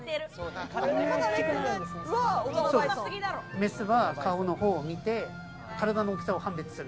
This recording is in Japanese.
メスは顔の方を見て、体の大きさを判別する。